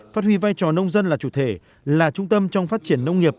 phát huy vai trò nông dân là chủ thể là trung tâm trong phát triển nông nghiệp